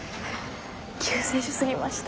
救世主すぎました。